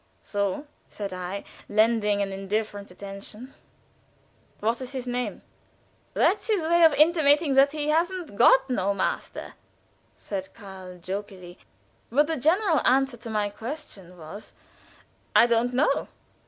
"So!" said I, lending but an indifferent attention; "what is his name?" "That's his way of gently intimating that he hasn't got no master," said Karl, jocosely, but the general answer to my question was, "I don't know."